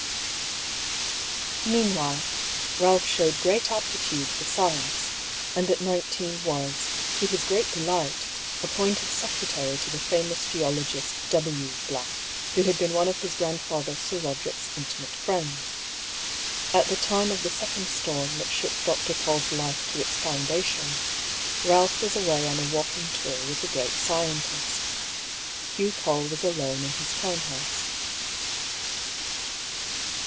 Meanwhile, Balph showed great aptitude for science, and at nineteen was, to his great delight, appointed secretary to the famous geologist W , who had been one of his grandfather Sir Boderick's intimate friends. At the time of the second storm that shook Dr. PauU's life to its foundations, Balph was away on a walking tour with the great scientist. Hugh PauU was alone in his town house.